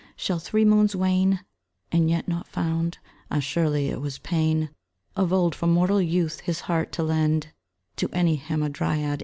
Shall three moons wane, And yet not found? Ah, surely it was pain Of old, for mortal youth his heart to lend To any hamadryad!